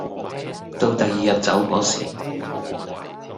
到第二日走個時